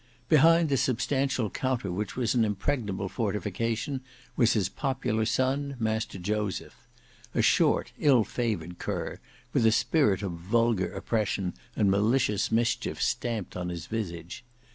Behind the substantial counter which was an impregnable fortification, was his popular son, Master Joseph; a short, ill favoured cur, with a spirit of vulgar oppression and malicious mischief stamped on his visage.